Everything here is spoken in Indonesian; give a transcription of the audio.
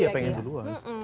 iya pengen duluan